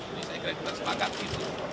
ini saya kira kita sepakat gitu